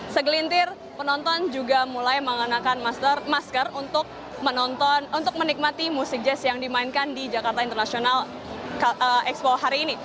segelintir penonton juga mulai mengenakan masker untuk menikmati musik jazz yang dimainkan di jakarta international expo hari ini